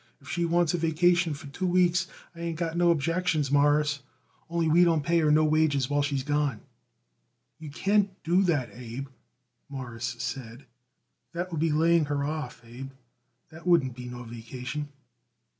If she wants a vacation for two weeks I ain't got no objections, Mawruss, only we don't pay her no wages while she's gone." "You can't do that, Abe," Morris said. "That would be laying her off, Abe; that wouldn't be no vacation."